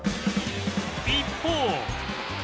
一方